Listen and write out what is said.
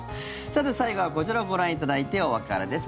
さて、最後はこちらをご覧いただいてお別れです。